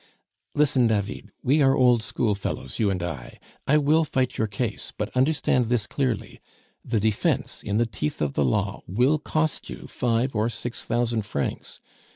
"Listen, David, we are old schoolfellows, you and I; I will fight your case; but understand this clearly the defence, in the teeth of the law, will cost you five or six thousand francs!